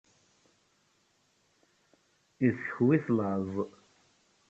Iskew-it laẓ.